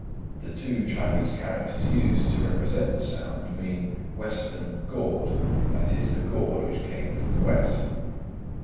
The two Chinese characters chosen to represent the sound mean "Western gourd," i.e. the gourd which came from the West.